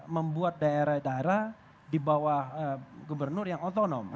membuat daerah daerah di bawah gubernur yang otonom